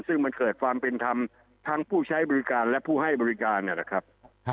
ซึ่งมันเกิดความเป็นธรรมทั้งผู้ใช้บริการและผู้ให้บริการเนี่ยนะครับ